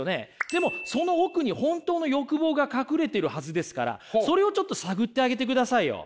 でもその奥に本当の欲望が隠れているはずですからそれをちょっと探ってあげてくださいよ。